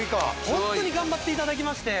ホントに頑張って頂きまして。